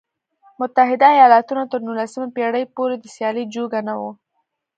متحده ایالتونه تر نولسمې پېړۍ پورې د سیالۍ جوګه نه و.